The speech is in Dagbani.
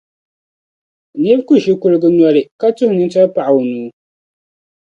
Nira ku ʒi kuliga noli ka tuhi nintɔri paɣ’ o nuu.